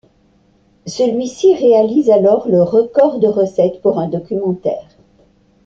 Celui-ci réalise alors le record de recettes pour un documentaire.